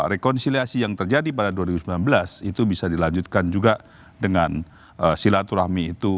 rekonsiliasi yang terjadi pada dua ribu sembilan belas itu bisa dilanjutkan juga dengan silaturahmi itu